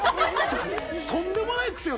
とんでもないクセよ